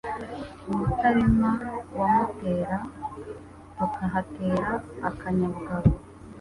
I Mutabima wa Mutera tukahatera akanyabugabo